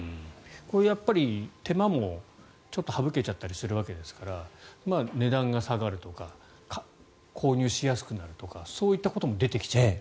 やっぱり手間も省けちゃったりするわけですから値段が下がるとか購入しやすくなるとかそういったことも出てきちゃうと？